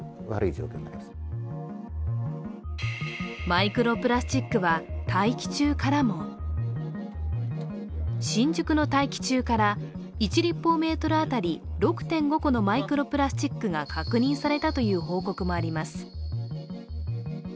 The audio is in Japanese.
マイクロプラスチックは大気中からも新宿の大気中から１立方メートル当たり６．５個のマイクロプラスチックが確認されたという報告もあります。